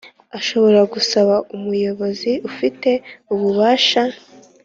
ashobora gusaba umuyobozi ubifitiye ububasha